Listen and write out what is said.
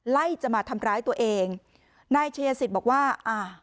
ไล่จะมาทำร้ายตัวเองนายชายสิตบอกว่าอ่า